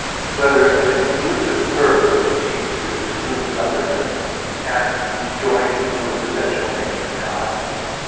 (3) Whether an exclusive term, which seems to exclude otherness, can be joined to an essential name in God?